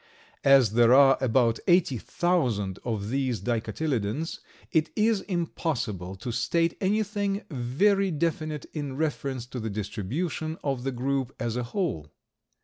As there are about eighty thousand of these Dicotyledons, it is impossible to state anything very definite in reference to the distribution of the group as a whole.